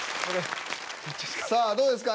さあどうですか？